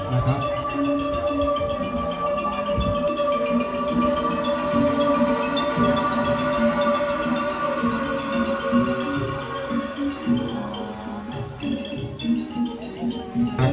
อาจารย์สะเทือนครูดีศิลปันติน